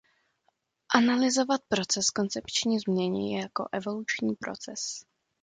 Analyzovat proces koncepční změny jako evoluční proces.